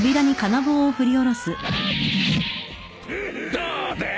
どうだ？